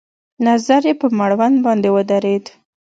نظر يې په مړوند باندې ودرېد.